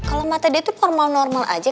kalau mata dia tuh normal normal aja